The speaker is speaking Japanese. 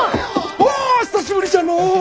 おお久しぶりじゃのう！